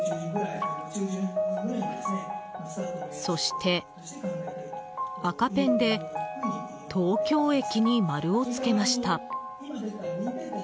そして、赤ペンで東京駅に丸をつけました。